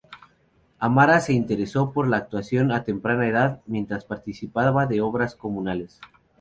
Amara se interesó por la actuación a temprana edad mientras participaba de obras comunales.